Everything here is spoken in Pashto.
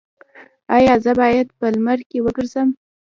ایا زه باید په لمر کې وګرځم؟